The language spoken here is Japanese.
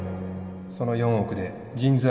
その４億で人材